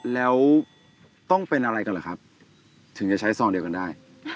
แล้วต้องเป็นอะไรกันเหรอครับถึงจะใช้ซองเดียวกันได้